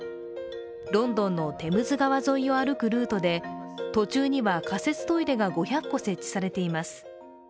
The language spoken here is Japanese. ロンドンのテムズ川沿いを歩くルートで、途中には仮設トイレが５００個設置されています。